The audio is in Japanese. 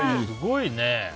すごいね。